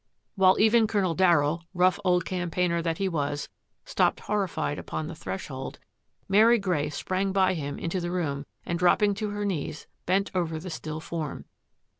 While even Colonel Darryll, rough old cam paigner that he was, stopped horrified upon the threshold, Mary Grey sprang by him into the room and, dropping to her knees, bent over the still form.